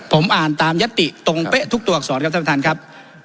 ผมอ่านตามยัตติตรงเป๊ะทุกตัวอักษรครับท่านประธานครับ